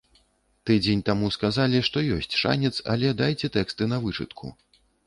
Тыдзень таму сказалі, што ёсць шанец, але дайце тэксты на вычытку.